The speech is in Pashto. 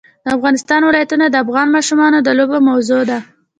د افغانستان ولايتونه د افغان ماشومانو د لوبو موضوع ده.